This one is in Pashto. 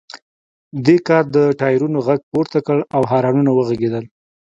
دې کار د ټایرونو غږ پورته کړ او هارنونه وغږیدل